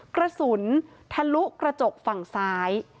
กระสุนทะลุกระจกฝั่งซ้าย